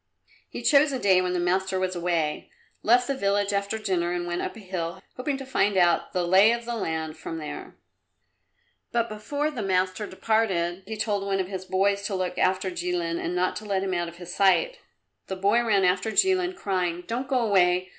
He chose a day when the master was away, left the village after dinner and went up a hill, hoping to find out the lie of the land from there. But before the master departed he told one of his boys to look after Jilin and not let him out of his sight. The boy ran after Jilin, crying, "Don't go away!